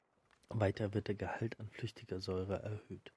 Weiter wird der Gehalt an flüchtiger Säure erhöht.